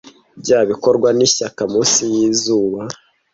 Bya ibikorwa nishyaka munsi yizuba,